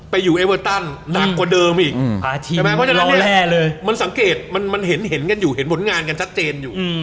อยู่เอเวอร์ตันหนักกว่าเดิมอีกใช่ไหมมันสังเกตมันเห็นกันอยู่เห็นผลงานกันชัดเจนอยู่